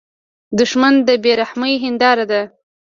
دښمن د بې رحمۍ هینداره ده